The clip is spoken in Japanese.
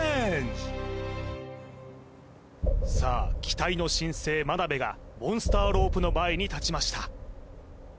さあ期待の新星眞鍋がモンスターロープの前に立ちました